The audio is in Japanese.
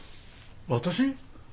私？